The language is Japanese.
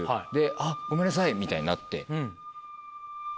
「あっごめんなさい」みたいになって。